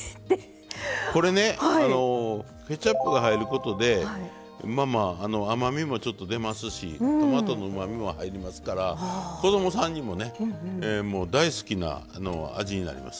これねケチャップが入ることで甘みもちょっと出ますしトマトのうまみも入りますから子供さんにもねもう大好きな味になります。